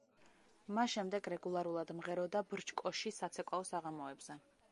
მას შემდეგ რეგულარულად მღეროდა ბრჩკოში საცეკვაო საღამოებზე.